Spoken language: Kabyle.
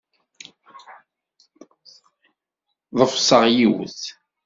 Ḍefseɣ yiwet.